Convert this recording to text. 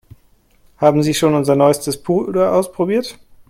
Haben Sie schon unser neuestes Puder ausprobiert?